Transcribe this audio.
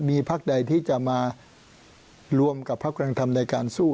มีพักใดที่จะมารวมกับพักกำลังทำในการสู้